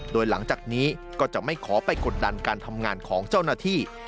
โดยหลังจากนี้ก็จะไม่ขอไปกดดันการทำงานของเจ้าหน้าที่